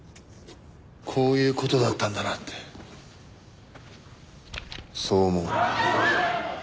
こういう事だったんだなってそう思う。